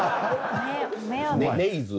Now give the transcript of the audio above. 「ネイズ」を。